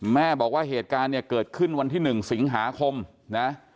แม่บอกว่าเหตุการณ์เนี่ยเกิดขึ้นวันที่๑สิงหาคมนะ